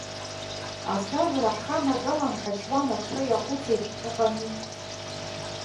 Ацәажәара ҳханагалан, ҳачуан ашра иаҟәыҵит, ыҟами.